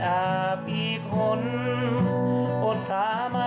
เดี๋ยวนะ